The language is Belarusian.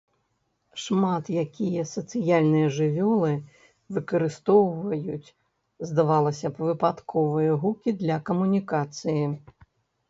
Шмат якія сацыяльныя жывёлы выкарыстоўваюць, здавалася б, выпадковыя гукі для камунікацыі.